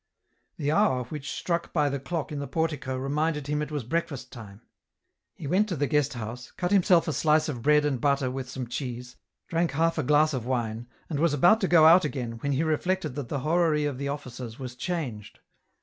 The hour which struck by the clock in the portico reminded him it was breakfast time. He went to the guest house, cut himself a slice of bread and butter with some EN ROUTE. 259 cheese, drank half a glass of wine, and was about to go out again when he reflected that the horary of the offices was changed.